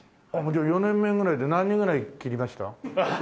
じゃあ４年目ぐらいで何人ぐらい斬りました？